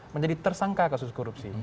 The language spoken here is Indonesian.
menjadi tersangka kasus korupsi